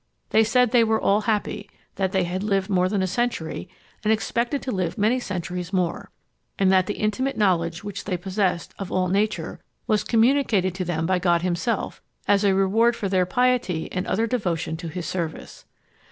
They said they were all happy; that they had lived more than a century, and expected to live many centuries more; and that the intimate knowledge which they possessed of all nature was communicated to them by God himself as a reward for their piety and utter devotion to his service.